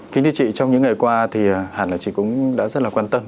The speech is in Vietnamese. kính thưa chị trong những ngày qua thì hẳn là chị cũng đã rất là quan tâm